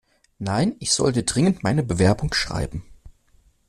Nein, ich sollte dringend meine Bewerbung schreiben.